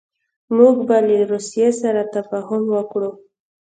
موږ به له روسیې سره تفاهم وکړو.